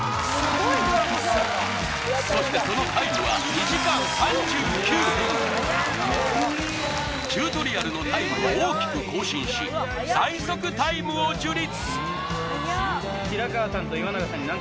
そしてそのタイムはチュートリアルのタイムを大きく更新し最速タイムを樹立！